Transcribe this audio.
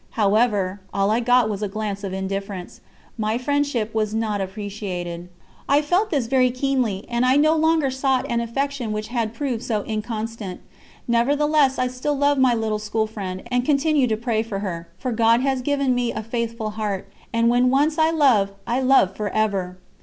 However, all I got was a glance of indifference my friendship was not appreciated. I felt this very keenly, and I no longer sought an affection which had proved so inconstant. Nevertheless I still love my little school friend, and continue to pray for her, for God has given me a faithful heart, and when once I love, I love for ever.